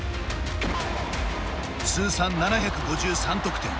通算７５３得点。